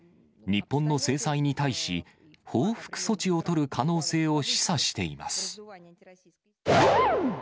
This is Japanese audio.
日本の制裁に対し、報復措置を取る可能性を示唆しています。